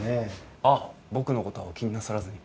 あっ僕のことはお気になさらずに。